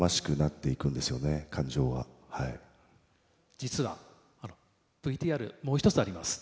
実はＶＴＲもう一つあります。